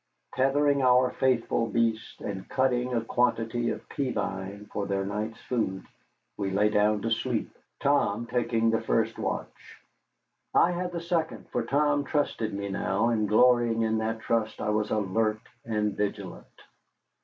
Tethering our faithful beasts, and cutting a quantity of pea vine for their night's food, we lay down to sleep, Tom taking the first watch. I had the second, for Tom trusted me now, and glorying in that trust I was alert and vigilant.